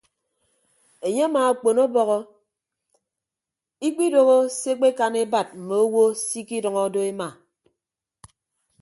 Enye amaakpon ọbọhọ ikpidooho se ekpekan ebat mme owo se ikidʌñọ do ema.